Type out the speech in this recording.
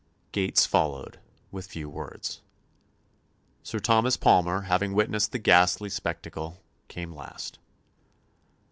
Gates followed, with few words. Sir Thomas Palmer, having witnessed the ghastly spectacle, came last.